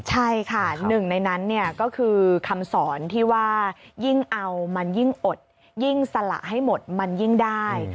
ใช่ค่ะหนึ่งในนั้นเนี่ยก็คือคำสอนที่ว่ายิ่งเอามันยิ่งอดยิ่งสละให้หมดมันยิ่งได้